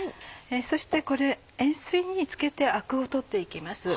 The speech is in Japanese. そしてこれ塩水につけてアクを取って行きます。